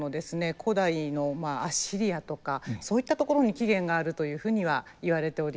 古代のアッシリアとかそういったところに起源があるというふうにはいわれておりまして。